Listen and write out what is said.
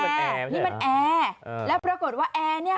นี่มันแอร์แล้วปรากฏว่าแอร์เนี่ย